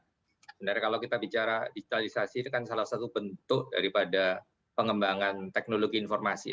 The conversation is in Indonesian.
sebenarnya kalau kita bicara digitalisasi ini kan salah satu bentuk daripada pengembangan teknologi informasi